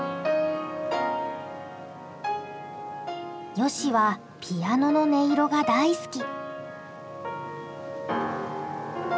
ヨシはピアノの音色が大好き。